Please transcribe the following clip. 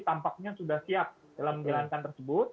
tampaknya sudah siap dalam menjalankan tersebut